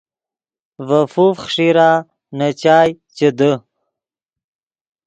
ڤے فوف خݰیرا نے چائے چے دے